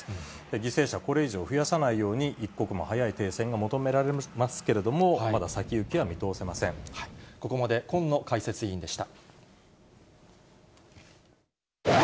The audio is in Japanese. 犠牲者をこれ以上増やさないように、一刻も早い停戦が求められますけれども、ここまで、近野解説委員でし